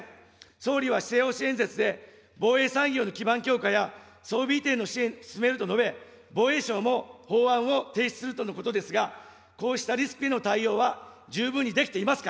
総理は施政方針演説で、防衛産業の基盤強化や、装備移転の支援を進めると述べ、防衛省も法案を提出するとのことですが、こうしたリスクへの対応は十分に出来ていますか。